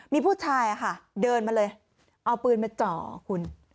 มีผู้ชายค่ะเดินมาเลยเอาปืนมาจ่อคุณ